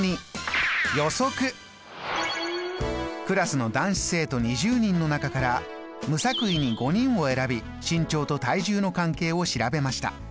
クラスの男子生徒２０人の中から無作為に５人を選び身長と体重の関係を調べました。